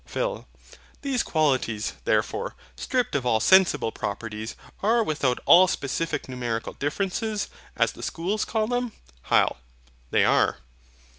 PHIL. These qualities, therefore, stripped of all sensible properties, are without all specific and numerical differences, as the schools call them. HYL. They are.